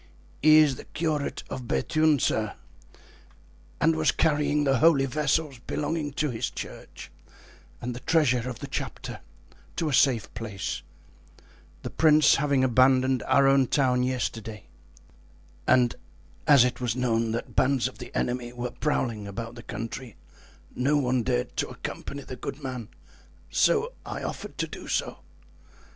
"He is the curate of Bethune, sir, and was carrying the holy vessels belonging to his church, and the treasure of the chapter, to a safe place, the prince having abandoned our town yesterday; and as it was known that bands of the enemy were prowling about the country, no one dared to accompany the good man, so I offered to do so.